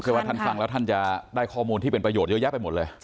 ว่าท่านฟังแล้วท่านจะได้ข้อมูลที่เป็นประโยชน์เยอะแยะไปหมดเลย